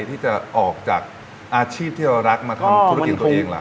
ที่จะออกจากอาชีพที่เรารักมาทำธุรกิจตัวเองล่ะ